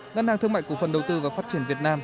ngân hàng thương mại cổ phần đầu tư và phát triển việt nam